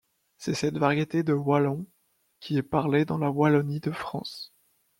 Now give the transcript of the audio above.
C'est cette variété de Wallon qui est parlée dans la Wallonie de France.